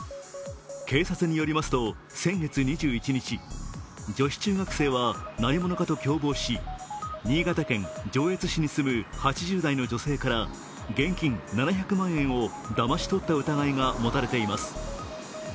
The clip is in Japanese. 警察に寄りますと、先月２１日女子中学生は何者かと共謀し、新潟県上越市に住む８０代の女性から現金７００万円をだまし取った疑いが持たれています。